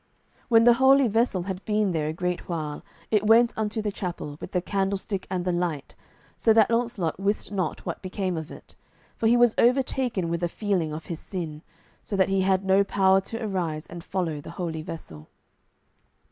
When the holy vessel had been there a great while, it went unto the chapel, with the candlestick and the light, so that Launcelot wist not what became of it, for he was overtaken with a feeling of his sin, so that he had no power to arise and follow the holy vessel.